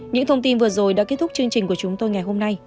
những thông tin vừa rồi đã kết thúc chương trình của chúng tôi ngày hôm nay